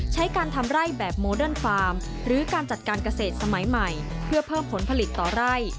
ใช้การทำไร่แบบโมเดิร์นฟาร์มหรือการจัดการเกษตรสมัยใหม่เพื่อเพิ่มผลผลิตต่อไร่